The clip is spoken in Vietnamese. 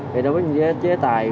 vì đối với chế tài